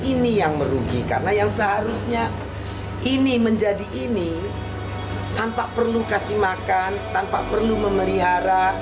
ini yang merugi karena yang seharusnya ini menjadi ini tanpa perlu kasih makan tanpa perlu memelihara